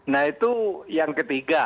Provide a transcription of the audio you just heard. nah itu yang ketiga